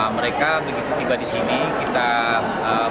mereka begitu tiba di sini kita berkon